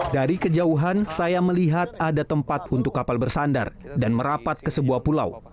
dari kejauhan saya melihat ada tempat untuk kapal bersandar dan merapat ke sebuah pulau